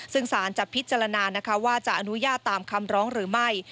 ซึ่งสารจะพิจารณานะคะว่าจะอนุญาตตามคำร้องหรือไม่